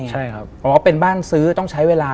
เมื่อไหร่ก็ได้ใช่ครับอ๋อเป็นบ้านซื้อต้องใช้เวลา